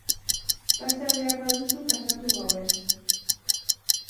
Pasa behar baduzu pasatu gauez...